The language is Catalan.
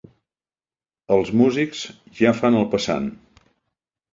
Els músics ja fan el passant.